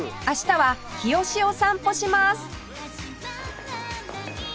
明日は日吉を散歩します